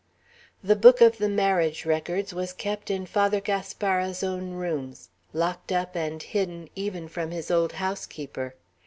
The book of the marriage records was kept in Father Gaspara's own rooms, locked up and hidden even from his old housekeeper.